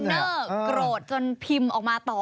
เนอร์โกรธจนพิมพ์ออกมาต่อ